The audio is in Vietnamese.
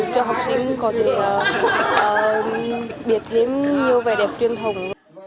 cho học sinh có thể biết thêm nhiều vẻ đẹp truyền thống